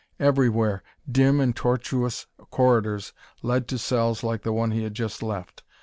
Everywhere, dim and tortuous corridors led to cells like the one he had just left.